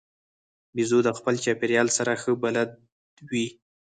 بیزو د خپل چاپېریال سره ښه بلد وي.